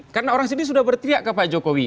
karena orang sini sudah bertiak ke pak jokowi